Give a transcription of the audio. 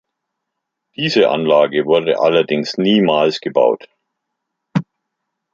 Diese Anlage wurde allerdings niemals gebaut.